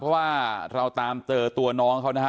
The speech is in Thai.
เพราะว่าเราตามเจอตัวน้องเขานะฮะ